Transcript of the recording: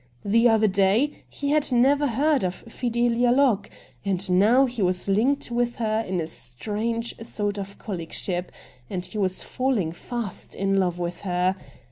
The other day he had never heard of Fidelia Locke, and now he was linked with her in a strange sort of coUeagueship, and he was falling fast in love with her.